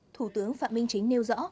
thủ tướng phạm minh chính nêu rõ